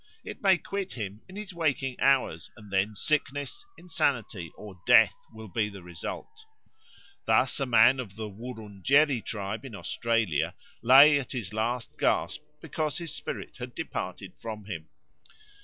It may quit him in his waking hours, and then sickness, insanity, or death will be the result. Thus a man of the Wurunjeri tribe in Australia lay at his last gasp because his spirit had departed from him.